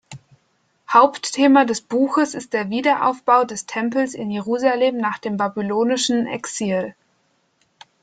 Hauptthema des Buches ist der Wiederaufbau des Tempels in Jerusalem nach dem Babylonischen Exil.